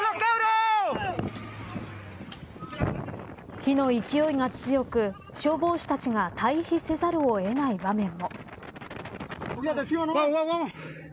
火の勢いが強く消防士たちが退避せざるを得ない場面も。